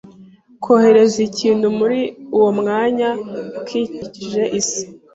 kohereza ikintu muri uwo mwanya ukikije isi.